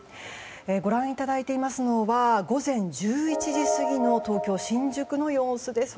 ご覧いただいていますのは午前１１時過ぎの東京・新宿の様子です。